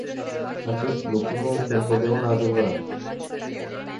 Acest lucru nu este întotdeauna adevărat.